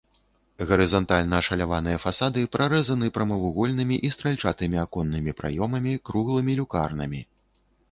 Гарызантальна ашаляваныя фасады парэзаны прамавугольнымі і стральчатымі аконнымі праёмамі, круглымі люкарнамі.